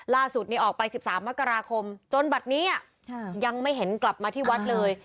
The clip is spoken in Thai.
ออกไป๑๓มกราคมจนบัตรนี้ยังไม่เห็นกลับมาที่วัดเลย